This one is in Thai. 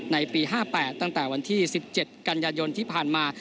ในปี๕๘ตั้งแต่วันที่๑๗กันยายนที่ผ่านมา